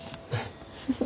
フフ。